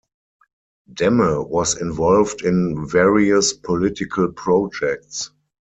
Demme was involved in various political projects.